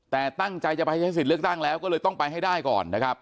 แต่ตั้งใจจะไปใช้สิทธิ์เลือกตั้งแล้วก็เลยต้องไปให้ได้ก่อนนะครับ